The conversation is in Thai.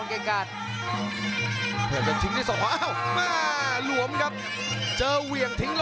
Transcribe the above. วันนี้หลวมกันชมครับ